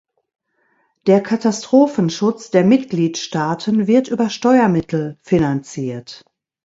Der Katastrophenschutz der Mitgliedstaaten wird über Steuermittel finanziert.